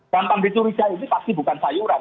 gampang dicurigai ini pasti bukan sayuran